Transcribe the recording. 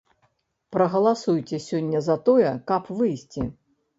Прагаласуйце сёння за тое, каб выйсці.